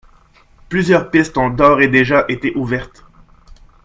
Plusieurs pistes ont d’ores et déjà été ouvertes.